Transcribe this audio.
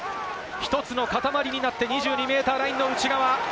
１つの塊になって２２ｍラインの内側。